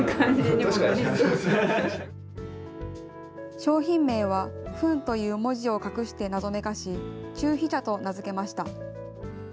商品名は、フンという文字を隠して謎めかし、虫秘茶と名付けました。